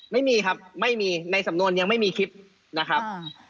ไม่มีครับไม่มีในสำนวนยังไม่มีคลิปนะครับ